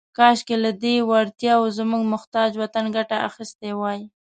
« کاشکې، لهٔ دې وړتیاوو زموږ محتاج وطن ګټه اخیستې وای. »